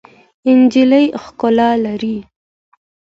نجلۍ ښکلا لري.